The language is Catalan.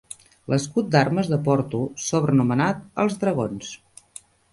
L'escut d'armes de Porto, sobrenomenat "els dragons".